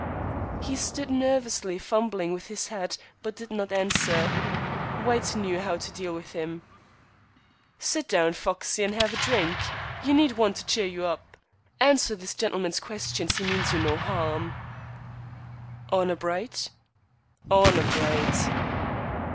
He stood nervously fumbling with his hat, but did not answer. White knew how to deal with him. "Sit down, Foxey, and have a drink. You need one to cheer you up. Answer this gentleman's questions. He means you no harm." "Honor bright?" "Honor bright."